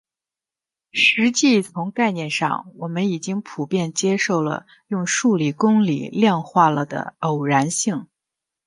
实际从概念上我们已经普遍接受了用数学公理量化了的偶然性。